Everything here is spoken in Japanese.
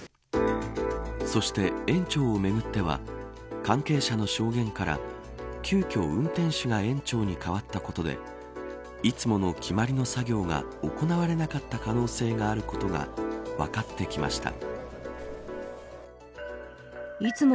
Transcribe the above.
そして園長をめぐっては関係者の証言から、急きょ運転手が園長に代わったことでいつもの決まりの作業が行われなかった可能性があることが分かってきました。